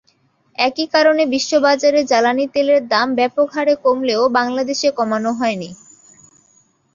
একই কারণে বিশ্ববাজারে জ্বালানি তেলের দাম ব্যাপকভাবে কমলেও বাংলাদেশে কমানো হয়নি।